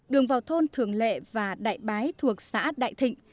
đường vào thôn thường lệ và đại bái thuộc xã đại thịnh